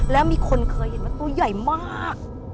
แล้วมีคนเคยเห็นว่าตัวใหญ่มาก